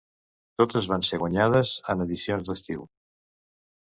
Totes van ser guanyades en edicions d'estiu.